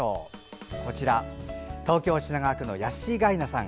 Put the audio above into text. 東京・品川区のヤッシーガイナさん